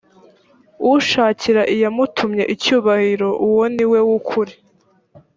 ushakira iyamutumye icyubahiro uwo ni we w ukuri